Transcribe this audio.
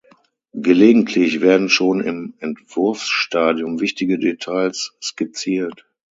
Gelegentlich werden schon im Entwurfsstadium wichtige Details skizziert.